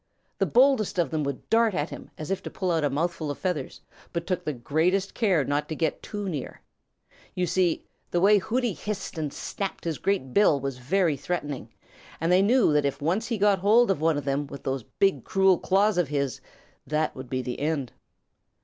The boldest of them would dart at him as if to pull out a mouthful of feathers, but took the greatest care not to get too near. You see, the way Hooty hissed and snapped his great bill was very threatening, and they knew that if once he got hold of one of them with those big cruel claws of his, that would be the end.